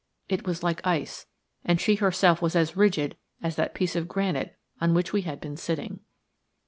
It was like ice, and she herself was as rigid as that piece of granite on which we had been sitting.